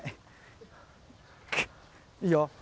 いいよ。